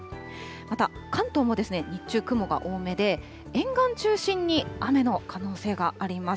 また、関東も日中、雲が多めで、沿岸中心に雨の可能性があります。